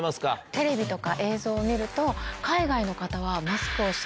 テレビとか映像を見ると。